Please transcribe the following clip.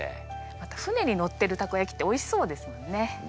また舟に載ってるたこやきっておいしそうですもんね。